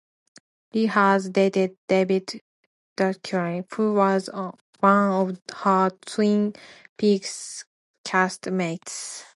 Lee has dated David Duchovny, who was one of her "Twin Peaks" cast-mates.